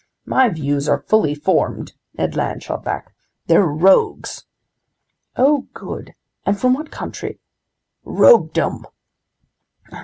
"My views are fully formed," Ned Land shot back. "They're rogues!" "Oh good! And from what country?" "Roguedom!"